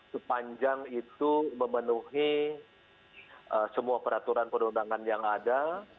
sepanjang itu memenuhi semua peraturan perundangan yang ada